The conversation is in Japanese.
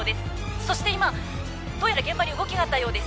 そして今どうやら現場に動きがあったようです